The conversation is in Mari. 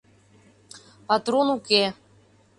— Патрон уке...